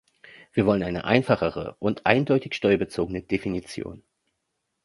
Wir wollen eine einfachere und eindeutig steuerbezogene Definition.